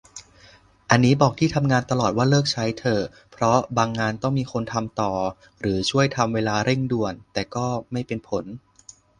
อันนี้บอกที่ทำงานตลอดว่าเลิกใช้เถอะ เพราะบางงานต้องมีคนทำต่อหรือช่วยทำเวลาเร่งด่วน แต่ก็ไม่เป็นผล